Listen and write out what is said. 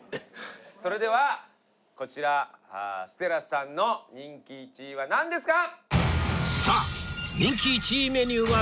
それではこちらＳＴＥＬＬＡさんの人気１位はなんですか？